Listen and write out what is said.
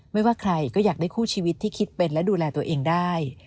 ไม่ว่าใครก็อยากได้คู่ชีวิตที่คิดเป็นและดูแลตัวเองได้